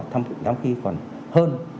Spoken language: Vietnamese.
thăm khí còn hơn